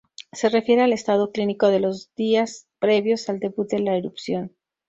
Se refiere al estado clínico de los días previos al debut de la erupción.